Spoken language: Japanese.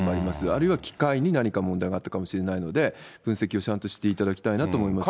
あるいは機械に何か問題があったかもしれないので、分析をちゃんとしていただきたいなと思いますね。